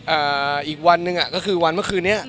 อีกวันหนึ่งอ่ะก็คือวันเมื่อคืนนี้